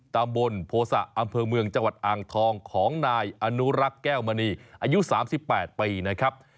ตำบลโภษะอำเภอเมืองจังหวัดอ่างทองของนายอนุรักษ์แก้วมณีอายุ๓๘ปีนะครับ